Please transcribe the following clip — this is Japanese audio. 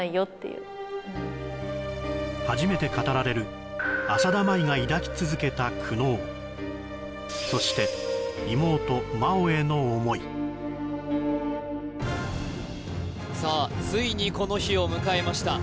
うん初めて語られる浅田舞が抱き続けた苦悩そしてさあついにこの日を迎えました